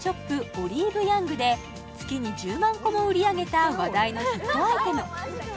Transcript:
ＯＬＩＶＥＹＯＵＮＧで月に１０万個も売り上げた話題のヒットアイテム